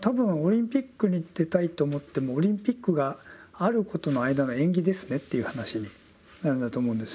多分オリンピックに出たいと思ってもオリンピックがあることの間の縁起ですねっていう話なんだと思うんですよね。